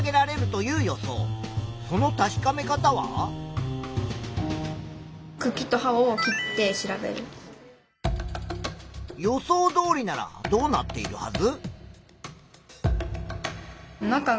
その確かめ方は？予想どおりならどうなっているはず？